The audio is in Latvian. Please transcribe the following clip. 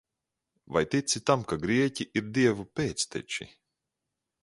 Vai tici tam, ka grieķi ir dievu pēcteči?